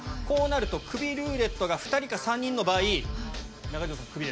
こうなるとクビルーレットが２人か３人の場合中条さん